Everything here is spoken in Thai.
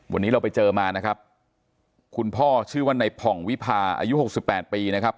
วันนี้เราไปเจอมานะครับคุณพ่อชื่อว่าในผ่องวิพาอายุหกสิบแปดปีนะครับ